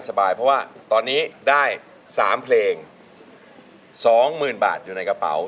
เพราะว่าตอนนี้ได้๓เพลง๒หมื่นบาทอยู่ในกระเป๋า